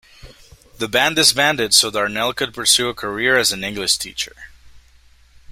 The band disbanded so Darnell could pursue a career as an English teacher.